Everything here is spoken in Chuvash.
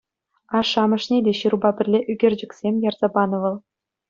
Ашшӗ-амӑшне те ҫырупа пӗрле ӳкерчӗксем ярса панӑ вӑл.